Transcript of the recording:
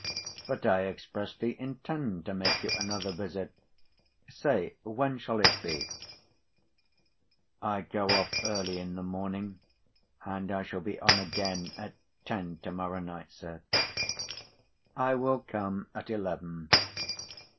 "But I expressly intend to make you another visit. Say, when shall it be?" "I go off early in the morning, and I shall be on again at ten to morrow night, sir." "I will come at eleven."